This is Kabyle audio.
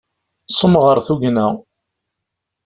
Semɣer tugna.